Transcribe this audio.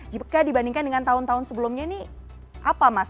jika dibandingkan dengan tahun tahun sebelumnya ini apa mas